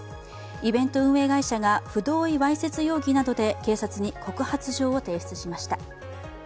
イベント運営会社が不同意わいせつ容疑などで警察に告発状を提出しました。